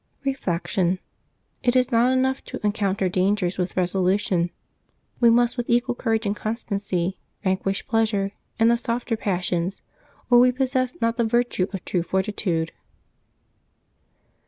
Reflection. — It is not enough to encounter dangers with resolution; we must with equal courage and constancy vanquish pleasure and the softer passions, or we possess not the virtue of true fortitude.